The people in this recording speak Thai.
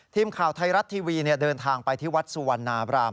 ทีมข่าวไทยรัฐทีวีเดินทางไปที่วัดสุวรรณาบราม